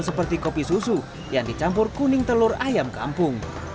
seperti kopi susu yang dicampur kuning telur ayam kampung